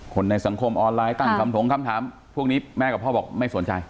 ในสังคมออนไลน์ตั้งคำถงคำถามพวกนี้แม่กับพ่อบอกไม่สนใจ